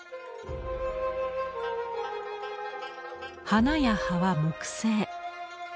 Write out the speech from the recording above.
花や葉は木製。